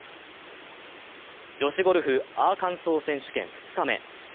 女子ゴルフアーカンソー選手権２日目。